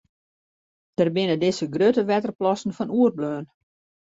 Dêr binne dizze grutte wetterplassen fan oerbleaun.